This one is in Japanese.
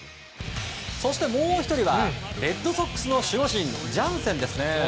そしてもう１人はレッドソックスの守護神ジャンセンです。